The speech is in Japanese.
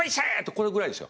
これぐらいですよ。